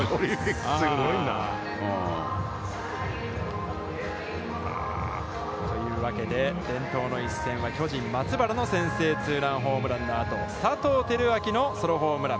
すごいな。というわけで、伝統の一戦は、巨人、松原の先制ツーランホームランの後、佐藤輝明のソロホームラン。